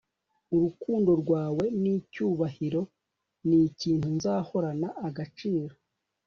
urukundo rwawe nicyubahiro nikintu nzahorana agaciro